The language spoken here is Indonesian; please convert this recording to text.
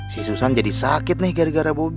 si susan jadi sakit nih gara gara bobi